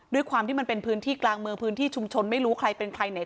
ด้วยความที่มันเป็นพื้นที่กลางเมืองพื้นที่ชุมชนไม่รู้ใครเป็นใครไหน